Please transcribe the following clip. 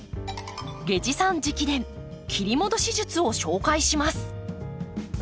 下司さん直伝切り戻し術を紹介します。